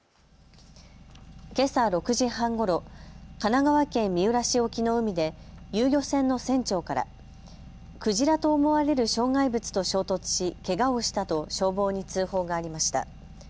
けさ６時半ごろ、神奈川県三浦市沖の海で遊漁船の船長からクジラと思われる障害物と衝突しけがをしたと消防に通報がありました。